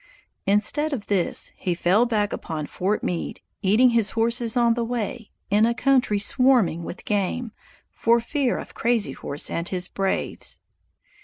Instead of this, he fell back upon Fort Meade, eating his horses on the way, in a country swarming with game, for fear of Crazy Horse and his braves!